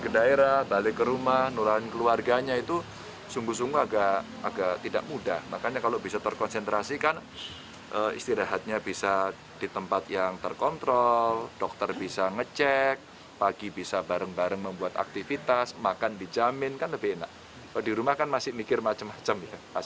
di rumah kan masih mikir macam macam ya pasien